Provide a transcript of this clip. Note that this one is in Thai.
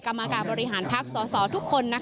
กรรมการบริหารพักษสทุกคน